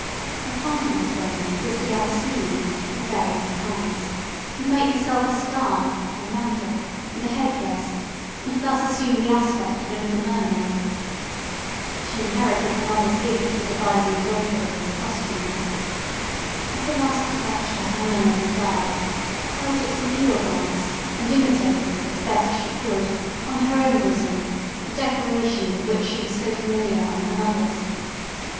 Her final employment was to gather seaweed of various kinds, and make herself a scarf or mantle, and a head dress, and thus assume the aspect of a little mermaid. She inherited her mother's gift for devising drapery and costume. As the last touch to her mermaid's garb, Pearl took some eel grass and imitated, as best she could, on her own bosom the decoration with which she was so familiar on her mother's.